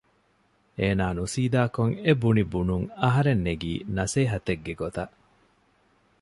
އޭނާ ނުސީދާކޮށް އެ ބުނި ބުނުން އަހަރެން ނެގީ ނަސޭހަތެއްގެ ގޮތަށް